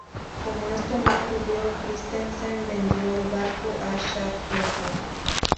Como esto no ocurrió, Christensen vendió el barco a Shackleton.